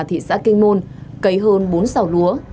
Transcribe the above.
thị xã kinh môn cấy hơn bốn sào lúa